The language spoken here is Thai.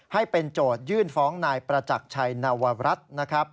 ให้เป็นโจทย์ยื่นฟองนายประจักรชัยนวรัตน์